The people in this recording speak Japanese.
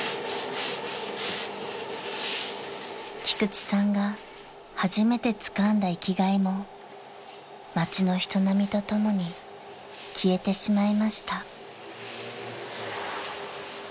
［菊池さんが初めてつかんだ生きがいも街の人波とともに消えてしまいました］